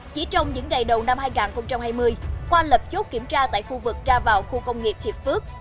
chỉ trong những ngày đầu năm hai nghìn hai mươi qua lập chốt kiểm tra tại khu vực tra vào khu công nghiệp hiệp phước